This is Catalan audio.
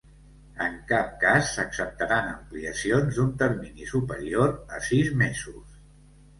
En cap cas s'acceptaran ampliacions d'un termini superior a sis mesos.